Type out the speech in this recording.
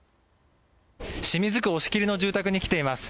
清水区押切の住宅に来ています。